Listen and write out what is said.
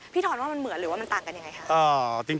ทอนว่ามันเหมือนหรือว่ามันต่างกันยังไงคะ